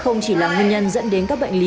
không chỉ là nguyên nhân dẫn đến các bệnh lý